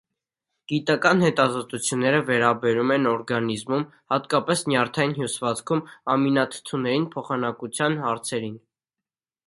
Գիտական հետազոտությունները վերաբերում են օրգանիզմում (հատկապես նյարդային հյուսվածքում) ամինաթթուների փոխանակության հարցերին։